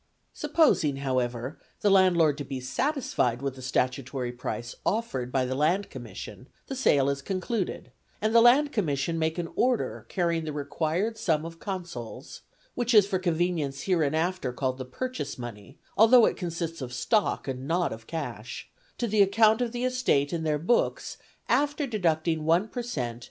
Supposing, however, the landlord to be satisfied with the statutory price offered by the Land Commission, the sale is concluded, and the Land Commission make an order carrying the required sum of consols (which is for convenience hereinafter called the purchase money, although it consists of stock and not of cash) to the account of the estate in their books after deducting 1 per cent.